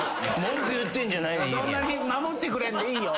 そんなに守ってくれんでいいよ。